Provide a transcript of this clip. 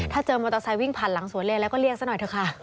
ถ้าเจอมอเตอร์ไซค์วิ่งผ่านหลังสวนเลนแล้วก็เรียกซะหน่อยเถอะค่ะ